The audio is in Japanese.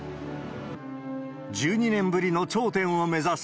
１２年ぶりの頂点を目指す